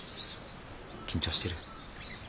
緊張してる？